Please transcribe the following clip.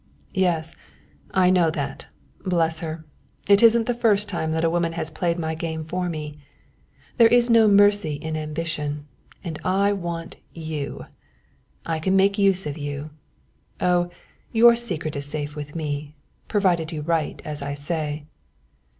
"Yes, I know that, bless her. It isn't the first time that a woman has played my game for me. There is no mercy in ambition, and I want you. I can make use of you. Oh, your secret is safe with me, provided you write as I say."